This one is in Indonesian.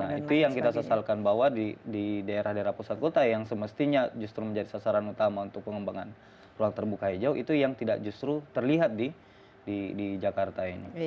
nah itu yang kita sesalkan bahwa di daerah daerah pusat kota yang semestinya justru menjadi sasaran utama untuk pengembangan ruang terbuka hijau itu yang tidak justru terlihat di jakarta ini